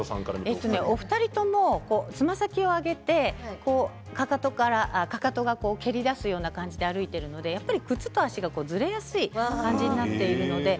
お二人ともつま先を上げてかかとで蹴り出すように歩いているので靴と足がずれやすい感じになっていますね。